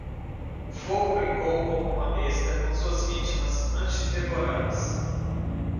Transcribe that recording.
O fogo brincou como uma besta com suas vítimas antes de devorá-las.